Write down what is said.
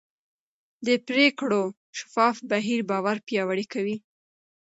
د پرېکړو شفاف بهیر باور پیاوړی کوي